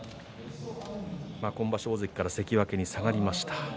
今場所、大関から関脇に下がりました。